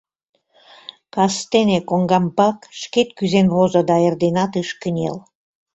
Кастене коҥгамбак шкет кӱзен возо да эрденат ыш кынел.